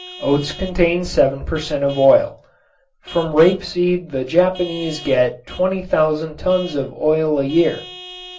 Oats contain 7 per cent. of oil. From rape seed the Japanese get 20,000 tons of oil a year.